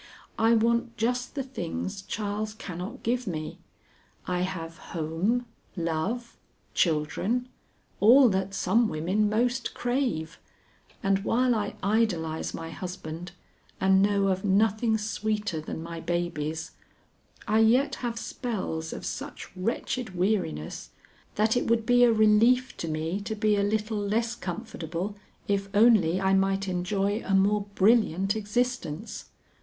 I want just the things Charles cannot give me. I have home, love, children, all that some women most crave, and while I idolize my husband and know of nothing sweeter than my babies, I yet have spells of such wretched weariness, that it would be a relief to me to be a little less comfortable if only I might enjoy a more brilliant existence.